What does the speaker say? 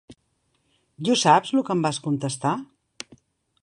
I ho saps lo que em vas contestar?